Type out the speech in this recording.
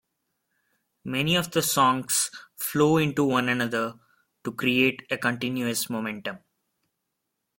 Many of the songs flow into one another to create a continuous momentum.